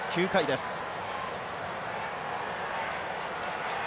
９回です。